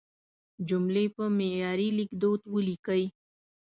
جملې په معیاري لیکدود ولیکئ.